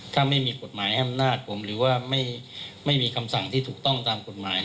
ถ้าไม่มีกฎหมายให้อำนาจผมหรือว่าไม่มีคำสั่งที่ถูกต้องตามกฎหมาย